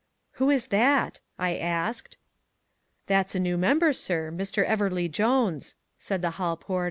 "Who is that?" I asked. "That's a new member, sir, Mr. Everleigh Jones," said the hall porter.